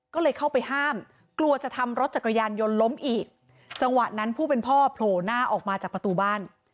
ก็เลยเข้าไปห้ามกลัวจะทำรถจักรยานยนต์ล้มอีกจังหวะนั้นผู้เป็นพ่อโผล่หน้าออกมาจากประตูบ้าน